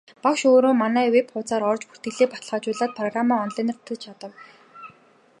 Багш өөрөө манай веб хуудсаар орж бүртгэлээ баталгаажуулаад программаа онлайнаар татаж авна.